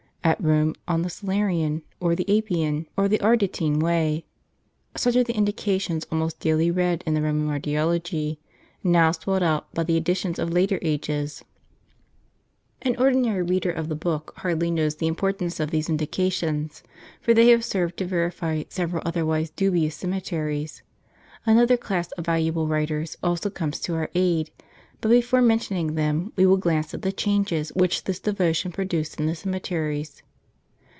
"At Rome, on the Salarian, or the Appian, or the Ardeatine way," such are the indications almost daily read in the Roman martyrology, now swelled out, by the additions of later ages.* * One or two entries from the old Kalendarium Romanum will illustrate this: V6 An ordinary reader of the book hardly knows the impor tance of these indications; for they have served to verify several otherwise dubious cemeteries. Another class of valuable writers also comes to our aid ; but before mentioning them, we will glance at the changes which this devotion produced in the cemeteries.